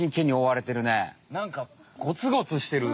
なんかゴツゴツしてる。